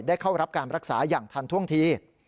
เข้ารับการรักษาอย่างทันท่วงที